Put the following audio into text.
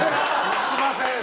しません！